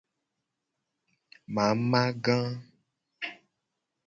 Mamaga.